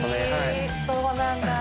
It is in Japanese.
そうなんだ。